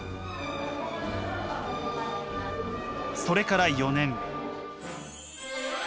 それから４年。